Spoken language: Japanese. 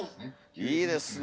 いいですね。